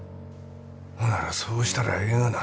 ほならそうしたらええがな。